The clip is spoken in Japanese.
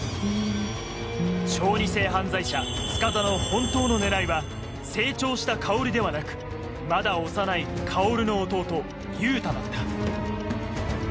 小児性犯罪者塚田の本当の狙いは成長した薫ではなくまだ幼い薫の弟優太だった